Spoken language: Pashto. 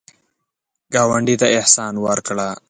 ګاونډي ته احسان وکړه